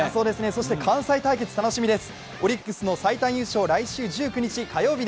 そして関西対決、楽しみです。